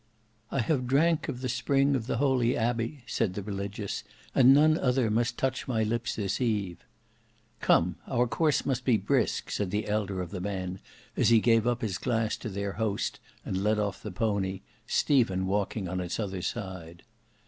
"I have drank of the spring of the Holy Abbey," said the Religious, "and none other must touch my lips this eve." "Come, our course must be brisk," said the elder of the men as he gave up his glass to their host and led off the pony, Stephen walking on its other side.